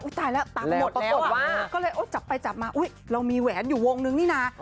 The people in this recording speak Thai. ตายแล้วตังค์หมดปรากฏว่าก็เลยจับไปจับมาอุ๊ยเรามีแหวนอยู่วงนึงนี่นะ